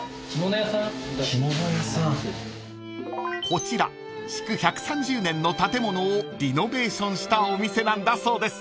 ［こちら築１３０年の建物をリノベーションしたお店なんだそうです］